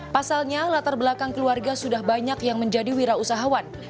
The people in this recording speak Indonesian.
pasalnya latar belakang keluarga sudah banyak yang menjadi wira usahawan